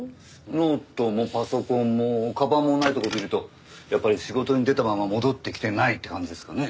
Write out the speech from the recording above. ノートもパソコンもかばんもないところを見るとやっぱり仕事に出たまま戻ってきてないって感じですかね。